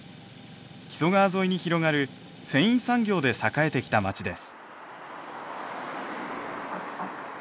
木曽川沿いに広がる繊維産業で栄えてきた街です。